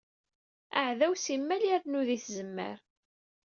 Aɛdaw simmal irennu di tzemmar.